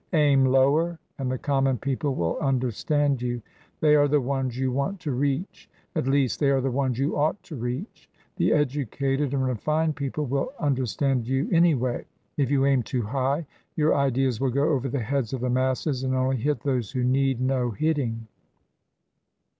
"Aim lower, and the common people will understand you. They are the ones you want to reach— at least they are the ones you ought to reach. The educated and refined people will un derstand you, anyway. If you aim too high, your ideas will go over the heads of the masses and only hit those who need no hitting."